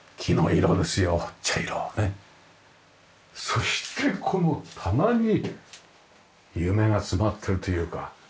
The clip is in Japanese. そしてこの棚に夢が詰まってるというか。